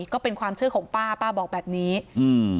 ก็เป็นความเชื่อของป้าป้าบอกแบบนี้อืม